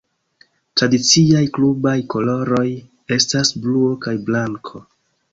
Tradiciaj klubaj koloroj estas bluo kaj blanko.